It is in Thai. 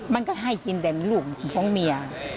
มันก็ให้กินแต่ลูกของเมีย